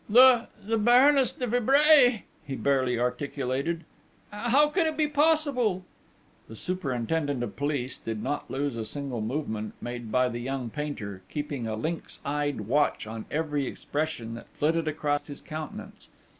'The the the Baroness de Vibray!' he barely articulated: 'how can it be possible?' The superintendent of police did not lose a single movement made by the young painter, keeping a lynx eyed watch on every expression that flitted across his countenance.